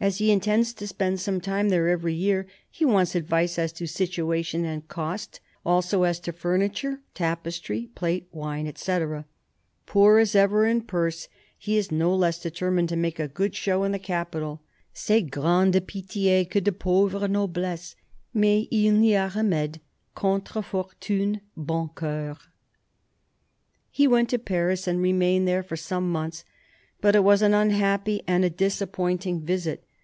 As he intends to spend some time there every year, he wants advice as to situation and cost, also as to furniture, tapestry, plate, wine, etc. Poor as ever in purse, he is no less determined to make a good show in the capital :" C'est grande pitie que de pauvre noblesse, mais il n'y a remede : centre fortune bon coeur." He went to Paris, and remained there for some months ; but it was an unhappy and a disappointing visit.